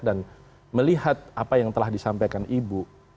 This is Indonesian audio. dan melihat apa yang telah disampaikan ibu